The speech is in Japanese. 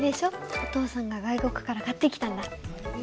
お父さんが外国から買ってきたんだ。